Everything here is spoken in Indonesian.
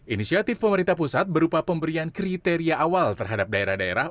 inisiatif pemerintah pusat berupa pemberian kriteria awal terhadap daerah daerah